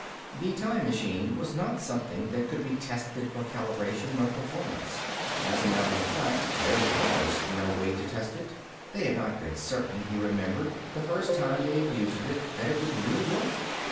The time machine was not something that could be tested for calibration or performance. As a matter of fact, there was no way to test it. They had not been certain, he remembered, the first time they had used it, that it would really work.